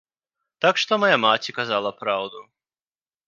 Так што мая маці казала праўду.